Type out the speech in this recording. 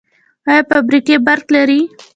آیا فابریکې برق لري؟